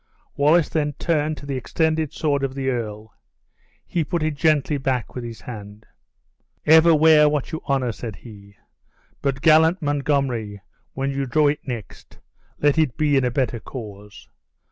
Wallace then turned to the extended sword of the earl; he put it gently back with his hand: "Ever wear what you honor," said he; "but, gallant Montgomery, when you draw it next, let it be in a better cause.